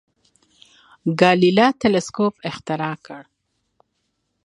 ګالیله تلسکوپ اختراع کړ.